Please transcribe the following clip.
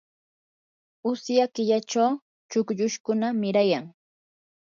usya killachu chukllushkuna mirayan.